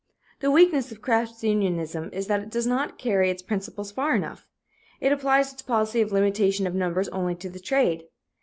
The weakness of craft unionism is that it does not carry its principle far enough. It applies its policy of limitation of numbers only to the trade.